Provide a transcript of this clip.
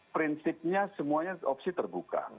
prinsipnya semuanya opsi terbuka